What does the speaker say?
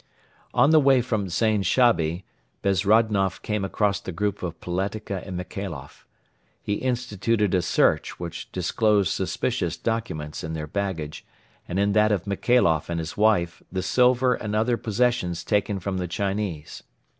On the way from Zain Shabi Bezrodnoff came across the group of Poletika and Michailoff. He instituted a search which disclosed suspicious documents in their baggage and in that of Michailoff and his wife the silver and other possessions taken from the Chinese.